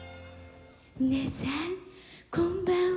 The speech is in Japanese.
皆さんこんばんは。